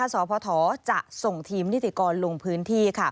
สพจะส่งทีมนิติกรลงพื้นที่